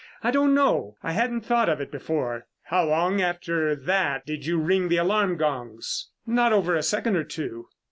I don't know. I hadn't thought of it before." "How long after that did you ring the alarm gongs?" "Not over a second or two."